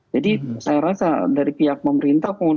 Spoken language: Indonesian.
jadi saya rasa dari pihak pemerintah